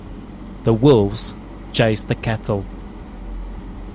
The wolves chased the cattle.